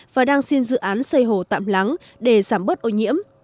và đang xin dự án xây hồ tạm lắng để giảm bớt ô nhiễm